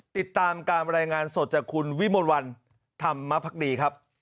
ติดตามการรายงานสดจากคุณวิมลวันธรรมภักดีครับ